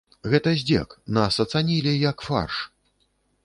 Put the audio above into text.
Гэта здзек, нас ацанілі, як фарш.